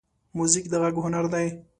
موزیک د غږ هنر دی.